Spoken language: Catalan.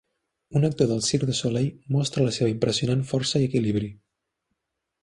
Un actor del Cirque de Solei mostra la seva impressionant força i equilibri.